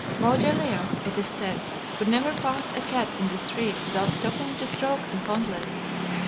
Baudelaire, it is said, could never pass a cat in the street without stopping to stroke and fondle it.